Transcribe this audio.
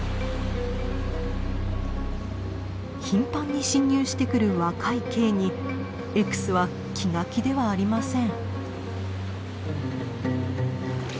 頻繁に侵入してくる若いＫにＸは気が気ではありません。